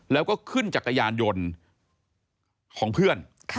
แล้วก็ขึ้นจักรยานยนต์ของเพื่อน